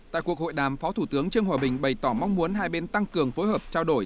tại cuộc hội đàm phó thủ tướng trương hòa bình bày tỏ mong muốn hai bên tăng cường phối hợp trao đổi